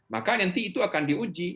maka nanti itu akan diuji